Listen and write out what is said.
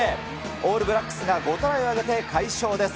オールブラックスが５点を挙げて快勝です。